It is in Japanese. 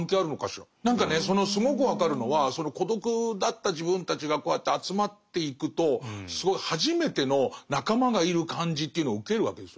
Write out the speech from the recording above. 何かねそのすごく分かるのはその孤独だった自分たちがこうやって集まっていくとすごい初めての仲間がいる感じというのを受けるわけですよね。